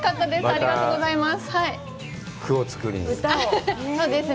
ありがとうございます。